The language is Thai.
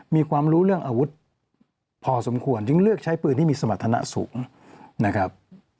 มีความรู้เรื่องอาวุธพอสมควรจึงเลือกใช้ปืนที่มีสมรรถนะสูงนะครับ